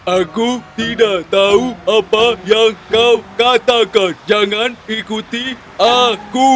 aku tidak tahu apa yang kau katakan jangan ikuti aku